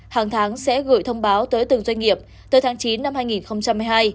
hàng tháng sẽ gửi thông báo tới từng doanh nghiệp tới tháng chín năm hai nghìn hai mươi hai